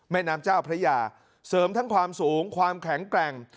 แม่น้ำเจ้าพระยาเสริมทั้งความสูงความแข็งแกร่ง